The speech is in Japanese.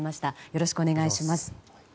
よろしくお願いします。